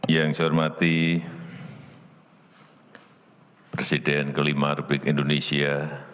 yang saya hormati presiden kelima republik indonesia